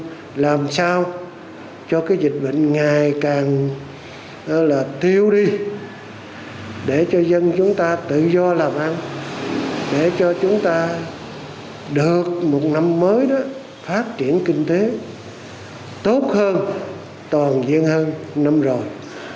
để làm sao cho cái dịch bệnh ngày càng là tiêu đi để cho dân chúng ta tự do làm ăn để cho chúng ta được một năm mới đó phát triển kinh tế tốt hơn toàn diện hơn năm rồi